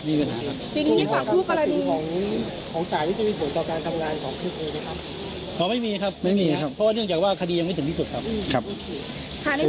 อ๋อไม่มีครับไม่มีครับเพราะว่าเนื่องจากว่าคดียังไม่ถึงที่สุดครับครับโอเค